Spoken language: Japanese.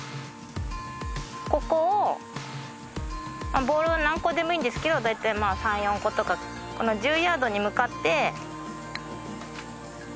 ここをボールは何個でもいいんですけどだいたい３４個とかこの１０ヤードに向かって。